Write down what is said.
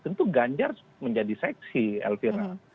tentu ganjar menjadi seksi elvira